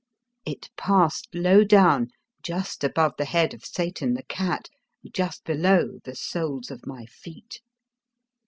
It passed low down, just above the head of Satan, the cat, just below the soles of my feet.